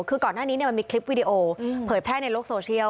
คือก่อนหน้านี้มันมีคลิปวิดีโอเผยแพร่ในโลกโซเชียล